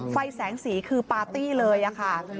ไฟแสงสีคือปาร์ตี้เลยค่ะ